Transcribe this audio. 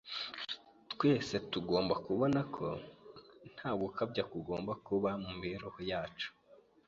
Twese tugomba kubona ko nta gukabya kugomba kuba mu mibereho yacu